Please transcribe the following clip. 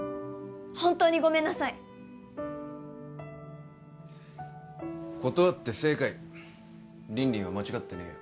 本当にごめんなさい断って正解凜々は間違ってねえよ